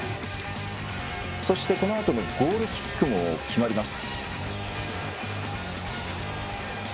このあとのゴールキックも決まります。